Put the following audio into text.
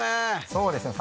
そうですね